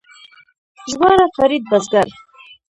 ژباړه فرید بزګر